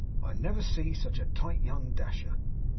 I never see such a tight young dasher.